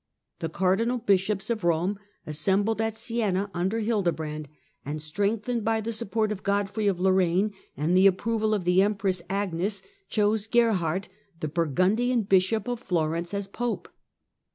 The cardinal bishops of Eome assembled at Siena under Hildebrand, and, strengthened by the support of Godfrey of Lorraine and the approval of the Empress Agnes, chose Gerhard, the Burgundian bishop of Florence, as Pope.